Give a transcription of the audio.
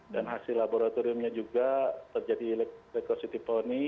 dan hasil laboratoriumnya juga terjadi elektrositiponi